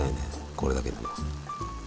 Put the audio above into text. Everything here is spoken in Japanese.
これだけでも。